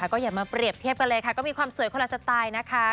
ก็อย่ามาเปรียบเทียบกันเลยค่ะก็มีความสวยคนละสไตล์นะคะ